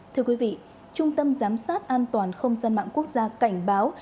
thưa quý vị trung tâm giám sát an toàn không gian mạng quốc gia cảnh báo